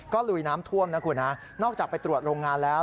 ก็ลุยน้ำท่วมนะคุณฮะนอกจากไปตรวจโรงงานแล้ว